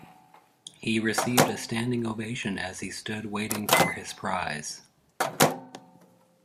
He received a standing ovation as he stood waiting for his prize.